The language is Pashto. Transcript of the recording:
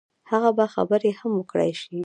هغه به خبرې هم وکړای شي.